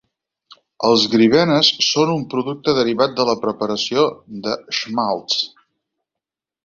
Els gribenes són un producte derivat de la preparació de schmaltz.